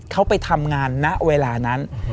เขาไปทำงานณเวลานั้น